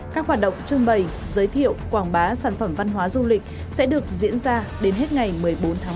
các hoạt động trưng bày giới thiệu quảng bá sản phẩm văn hóa du lịch sẽ được diễn ra đến hết ngày một mươi bốn tháng ba